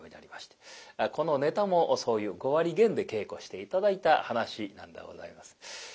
このネタもそういう５割減で稽古して頂いた噺なんでございます。